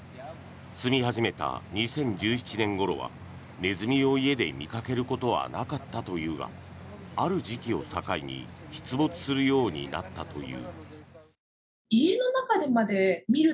住み始めた２０１７年ごろはネズミを家で見かけることはなかったというがある時期を境に出没するようになったという。